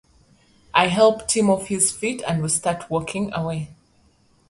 I help Tim off his feet and we start walking away.